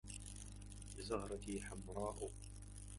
زهرتي حمراءُ